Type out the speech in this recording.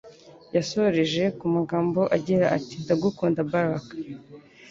Yasoreje ku magambo agira ati Ndagukunda Barack.”